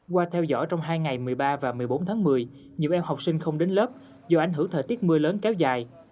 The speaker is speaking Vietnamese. qua theo dõi trong hai ngày một mươi ba và một mươi bốn tháng một mươi nhiều em học sinh không đến lớp do ảnh hưởng thời tiết mưa lớn kéo dài